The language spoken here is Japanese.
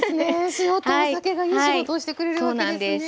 塩とお酒がいい仕事をしてくれるわけですね。